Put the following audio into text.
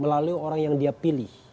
melalui orang yang dia pilih